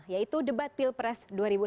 yaitu debat pilpres dua ribu sembilan belas